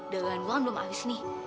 eh dagangan gue kan belum habis nih